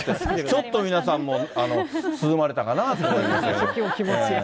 ちょっと皆さんも、涼まれたかな気持ちが。